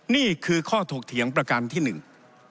นี่คือข้อถกเถียงประการที่หนึ่ง